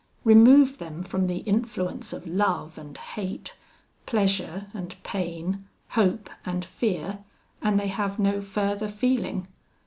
Remove them from the influence of love and hate, pleasure and pain, hope and fear, and they have no further feeling.